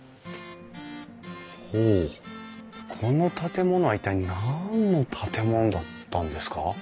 ほうこの建物は一体何の建物だったんですか？